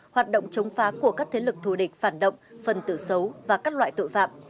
hoạt động chống phá của các thế lực thù địch phản động phần tử xấu và các loại tội phạm